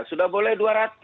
sudah boleh dua ratus